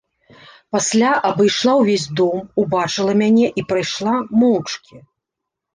Пасля абышла ўвесь дом, убачыла мяне і прайшла моўчкі.